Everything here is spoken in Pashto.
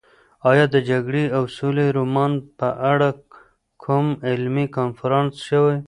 ایا د جګړې او سولې رومان په اړه کوم علمي کنفرانس شوی؟